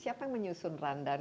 siapa yang menyusun randang